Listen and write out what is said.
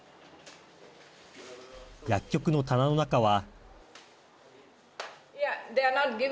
薬局の棚の中は。